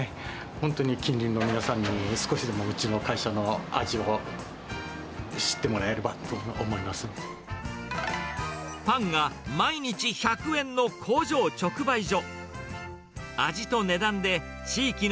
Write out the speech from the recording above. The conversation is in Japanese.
本当に近隣の皆様に、少しでもうちの会社の味を知ってもらえればパンが毎日１００円の工場直売所。